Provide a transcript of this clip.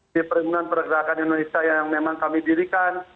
di perimunan pergerakan indonesia yang memang kami dirikan